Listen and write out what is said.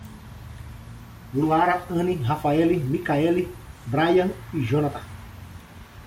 Luara, Anny, Rafaele, Mikaele, Braian e Jonatha